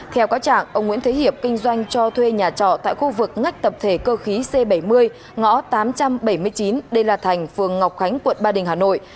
theo có trạng ông nguyễn thế hiệp kinh doanh cho thuê nhà trọ tại khu vực ngách tập thể cơ khí c bảy mươi ngõ tám trăm bảy mươi chín đê la thành phường ngọc khánh quận ba đình hà nội